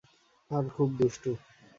আর খুব দুষ্টু।